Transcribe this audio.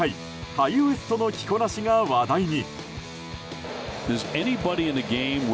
ハイウエストの着こなしが話題に。